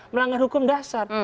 melanggar hukum dasar